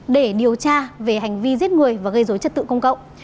để điều tra về hành vi giết người và gây dối trật tự công cộng